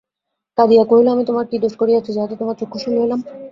কাঁদিয়া কহিল, আমি তোমার কী দোষ করিয়াছি, যাহাতে তোমার চক্ষুশূল হইলাম।